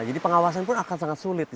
jadi pengawasan pun akan sangat sulit